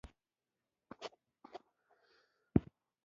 د شفتالو دانه د څه لپاره وکاروم؟